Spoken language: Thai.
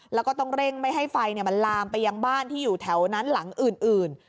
แล้วก็ต้องเร่งไม่ให้ไฟมันลามไปยังบ้านที่อยู่แถวนั้นหลังอื่น